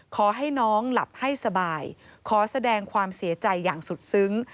ขอให้น้องหลับให้สบายขอแสดงความเสียใจอย่างสุดซึ้ง